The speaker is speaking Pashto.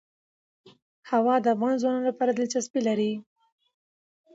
هوا د افغان ځوانانو لپاره دلچسپي لري.